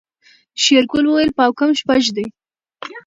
شېرګل وويل پاو کم شپږ دي.